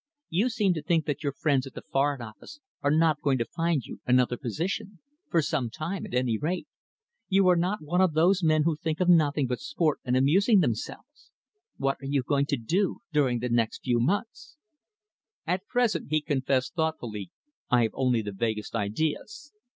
You seem to think that your friends at the Foreign Office are not going to find you another position for some time, at any rate. You are not one of those men who think of nothing but sport and amusing themselves. What are you going to do during the next few months?" "At present," he confessed thoughtfully, "I have only the vaguest ideas.